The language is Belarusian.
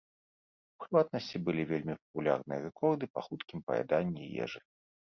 У прыватнасці, былі вельмі папулярныя рэкорды па хуткім паяданні ежы.